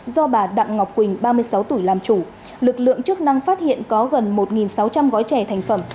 do bà đặng ngọc quỳnh ba mươi sáu tuổi làm chủ lực lượng chức năng phát hiện có gần một sáu trăm linh gói trẻ thành phẩm